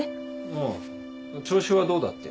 ああ調子はどうだって。